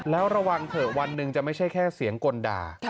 แล้วระวังเถอะวันหนึ่งจะไม่ใช่แค่เสียงกลด่า